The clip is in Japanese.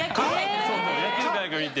野球界から見て？